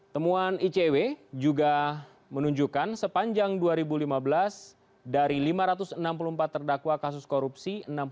temuan icw juga menunjukkan sepanjang dua ribu lima belas dari lima ratus enam puluh empat terdakwa kasus korupsi